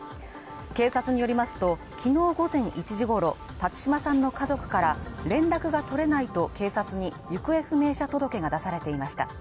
警察によりますと、きのう午前１時ごろ、辰島さんの家族から連絡が取れないと警察に行方不明者届が出されていました。